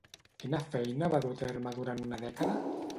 Quina feina va dur a terme durant una dècada?